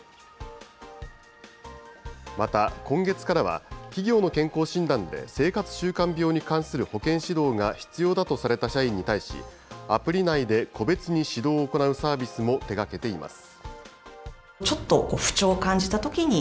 また、今月からは、企業の健康診断で生活習慣病に関する保健指導が必要だとされた社員に対し、アプリ内で個別に指導を行うサービスも手がけています。